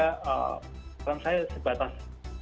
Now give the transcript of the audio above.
karena saya sebatas